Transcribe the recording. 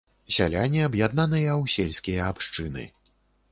Сяляне аб'яднаныя ў сельскія абшчыны.